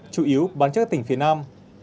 chủ yếu bán chất các tỉnh phía nam